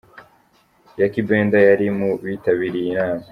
Ykee Benda yari mu bitabiriye iyi nama.